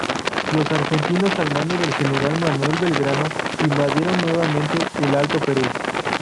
Los argentinos, al mando del general Manuel Belgrano, invadieron nuevamente el Alto Perú.